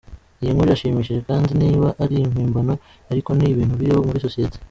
Iyi nkuru irashimishije kandi niba ari n'impimbano ariko ni ibintu biriho muri societe.